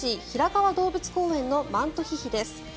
平川動物公園のマントヒヒです。